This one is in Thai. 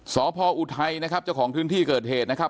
พออุทัยนะครับเจ้าของพื้นที่เกิดเหตุนะครับ